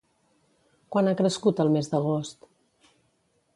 Quant ha crescut al mes d'agost?